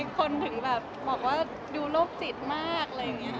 คนถึงแบบบอกว่าดูโรคจิตมากอะไรอย่างนี้